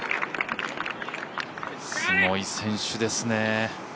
すごい選手ですね。